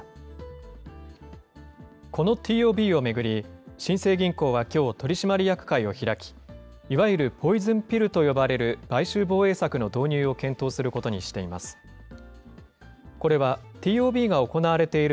このＴＯＢを巡り、新生銀行はきょう、取締役会を開き、いわゆるポイズンピルと呼ばれる買収防衛策の導入を検討することにしています。